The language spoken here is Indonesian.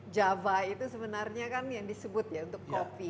java itu sebenarnya kan yang disebut ya untuk kopi